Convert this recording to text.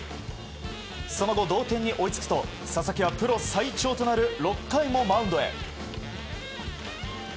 その後、同点に追いつくと佐々木はプロ最長となる６回もマウンドへ。